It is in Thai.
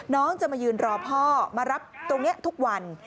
น้องจะมายืนรอพ่อมารับตรงนี้ทุกวัน